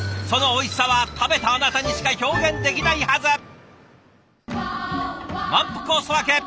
そのおいしさは食べたあなたにしか表現できないはず。